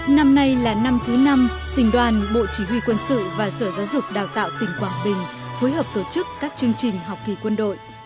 năm nay là năm thứ năm tỉnh đoàn bộ chỉ huy quân sự và sở giáo dục đào tạo tỉnh quảng bình phối hợp tổ chức các chương trình học kỳ quân đội